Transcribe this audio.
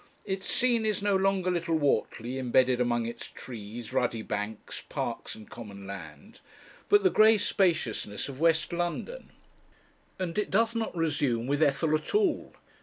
Its scene is no longer little Whortley embedded among its trees, ruddy banks, parks and common land, but the grey spaciousness of West London. And it does not resume with Ethel at all.